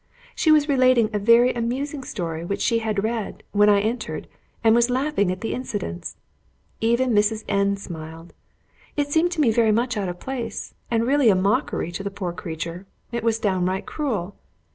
She was relating a very amusing story which she had read; when I entered, and was laughing at the incidents. Even Mrs. N smiled. It seemed to me very much out of place, and really a mockery to the poor creature; it was downright cruel.